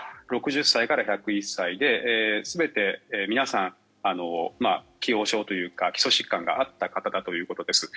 ６０歳から１０１歳で全て皆さん既往症というか基礎疾患があった方ということです。